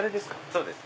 そうです。